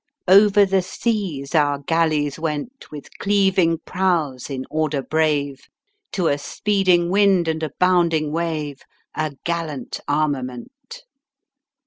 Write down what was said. * Over the seas our galleys went, With cleaving prows in order brave, To a speeding wind and a bounding wave A gallant armament."